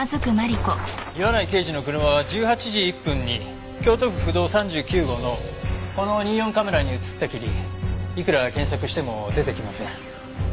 岩内刑事の車は１８時１分に京都府府道３９号のこの２４カメラに映ったきりいくら検索しても出てきません。